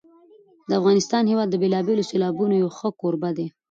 د افغانستان هېواد د بېلابېلو سیلابونو یو ښه کوربه دی.